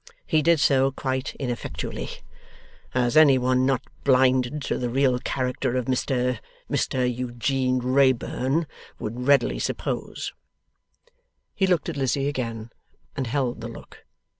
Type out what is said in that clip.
He did so, quite ineffectually. As any one not blinded to the real character of Mr Mr Eugene Wrayburn would readily suppose.' He looked at Lizzie again, and held the look.